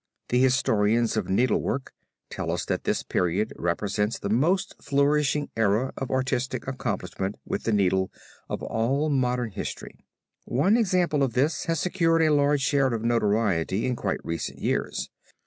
The historians of needlework tell us that this period represents the most flourishing era of artistic accomplishment with the needle of all modern history. One example of this has secured a large share of notoriety in quite recent years.